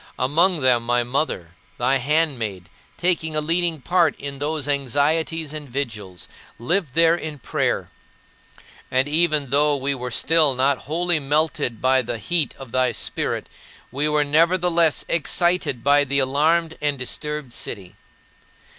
Among them my mother, thy handmaid, taking a leading part in those anxieties and vigils, lived there in prayer. And even though we were still not wholly melted by the heat of thy Spirit, we were nevertheless excited by the alarmed and disturbed city.